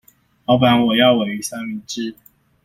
老闆我要鮪魚三明治